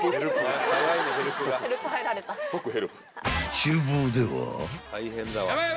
［厨房では］